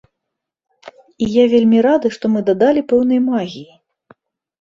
І я вельмі рады, што мы дадалі пэўнай магіі.